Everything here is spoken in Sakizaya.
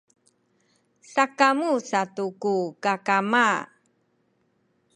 sakamu satu ku kakama